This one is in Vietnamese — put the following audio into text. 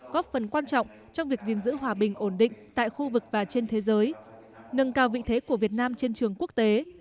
góp phần quan trọng trong việc giữ hòa bình ổn định tại khu vực và trên thế giới nâng cao vị thế của việt nam trên trường quốc tế